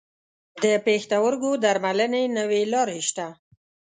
د پښتورګو درملنې نوي لارې شته.